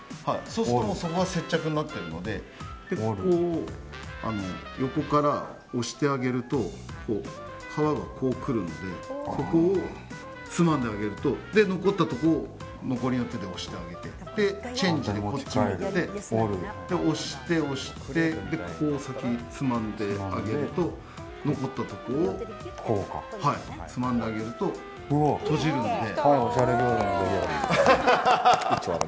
そうするとそこが接着になっているので横から押してあげると皮がこうくるのでここをつまんであげると残ったところを残りの手で押してあげてチェンジで持ち替えて押して押してここをつまんであげると残ったところをつまんであげると閉じるので。